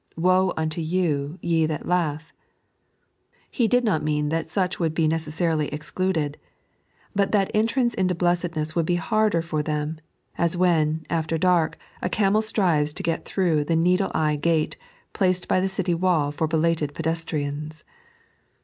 ■.. Woe unto you, ye that laugh," He did not mean that such would be necessarily excluded, but that entrance into blessedness would be harder for them ; as when, after dusk, a camel strives to get through the needle eye gate, placed in the city wall for belated pedestrians.